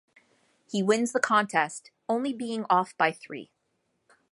He wins the contest, only being off by three.